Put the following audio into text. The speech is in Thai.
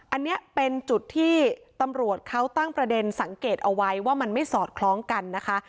อันนี้เป็นจุดที่ตำรวจเขาตั้งประเด็นสังเกตเอาไว้ว่ามันไม่สอดคล้องกันนะคะ